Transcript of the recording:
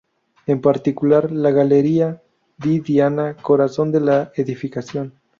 En particular, la "Galleria di Diana", corazón de la edificación.